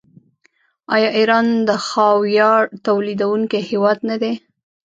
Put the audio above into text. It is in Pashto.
آیا ایران د خاویار تولیدونکی هیواد نه دی؟